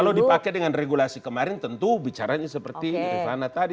kalau dipakai dengan regulasi kemarin tentu bicaranya seperti rifana tadi